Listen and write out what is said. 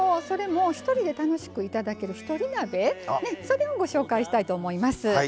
それも一人で楽しくいただける一人鍋をご紹介したいと思います。